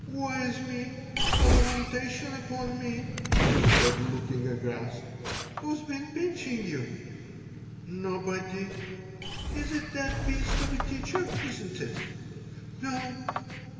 "Woe is me! A lamentation upon me!" she said, looking aghast. "Who has been pinching you?" "Nobody." "It is that beast of a teacher, isn't it?" "No."